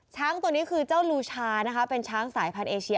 ช้างตัวนี้คือเจ้าลูชานะคะเป็นช้างสายพันธุเอเชีย